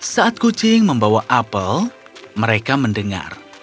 saat kucing membawa apel mereka mendengar